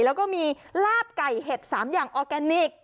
แล้วก็มีลาบไก่เห็ด๓อย่างออร์แกนิค